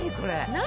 何？